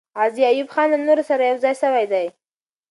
غازي ایوب خان له نورو سره یو ځای سوی دی.